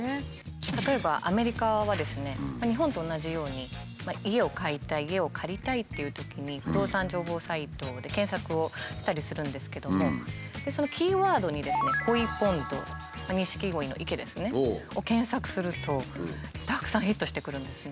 例えばアメリカはですね日本と同じように家を買いたい家を借りたいっていうときに不動産情報サイトで検索をしたりするんですけどもそのキーワードにですね「ＫｏｉＰｏｎｄｓ」「錦鯉の池」ですねを検索するとたくさんヒットしてくるんですね。